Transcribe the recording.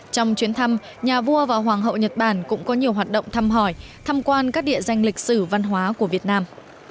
trong chuyến thăm nhà vua và hoàng hậu nhật bản cũng có nhiều hoạt động thăm hỏi thăm quan các địa danh lịch sử văn hóa của việt nam